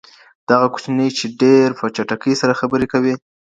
دغه کوچنی چي دی ډېر په چټکۍ سره خبري کوی.